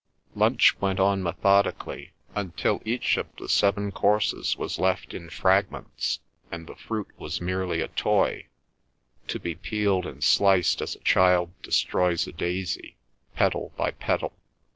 Lunch went on methodically, until each of the seven courses was left in fragments and the fruit was merely a toy, to be peeled and sliced as a child destroys a daisy, petal by petal.